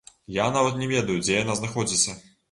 Я нават не ведаю дзе яна знаходзіцца.